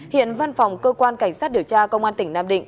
hiện văn phòng cơ quan cảnh sát điều tra công an tỉnh nam định